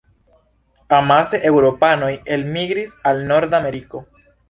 Amase eŭropanoj elmigris al norda Ameriko.